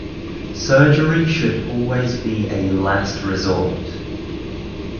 Surgery should always be a last resort.